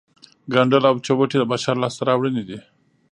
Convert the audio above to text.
ګنډل او چوټې د بشر لاسته راوړنې دي